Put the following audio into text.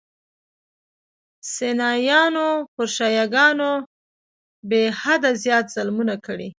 سنیانو پر شیعه ګانو بېحده زیات ظلمونه کړي.